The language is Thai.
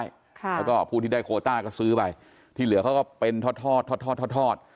แล้วก็ผู้ที่ได้โคต้าก็ซื้อไปที่เหลือเขาก็เป็นทอดทอดทอดทอดทอด